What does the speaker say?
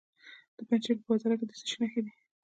د پنجشیر په بازارک کې د څه شي نښې دي؟